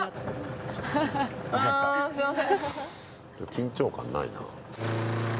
緊張感ないなぁ。